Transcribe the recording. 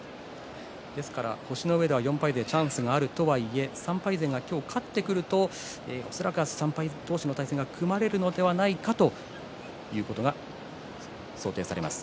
星の上では４敗勢にチャンスがあるとはいえ３敗勢が今日、勝ってくると明日は３敗同士の対戦が組まれるのではないかということが想定されます。